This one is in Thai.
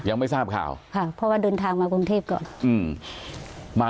ยังไม่สาบข่าวครับที่ยังดึงทางมากรุงเทพฯก่อนอืมมา